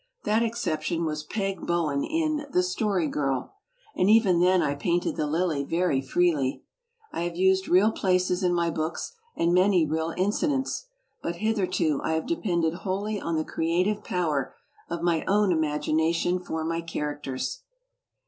That exception was "Peg Bowen" in The Story Girl. And even then I painted the lily very freely. I have used real places in my books and many real incidents. But hitherto I have depended wholly on the crea tive power of my own imagination for my characters.